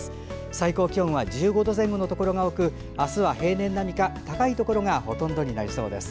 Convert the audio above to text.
最高気温は１５度前後のところが多くあすは平年並みか高いところがほとんどになりそうです。